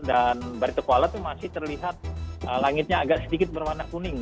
dan baritokuala itu masih terlihat langitnya agak sedikit bermana kuning